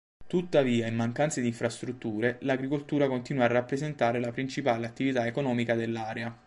Tuttavia, in mancanza di infrastrutture, l'agricoltura continua a rappresentare la principale attività economica dell'area.